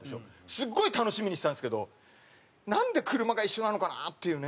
すっごい楽しみにしてたんですけどなんで車が一緒なのかなっていうね